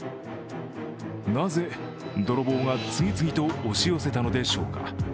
なぜ泥棒が次々と押し寄せたのでしょうか。